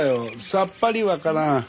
さっぱりわからん。